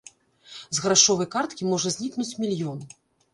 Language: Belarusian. З грашовай карткі можа знікнуць мільён!